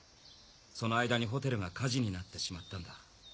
その間にホテルが火事になってしまったんだ。